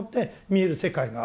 見える世界が？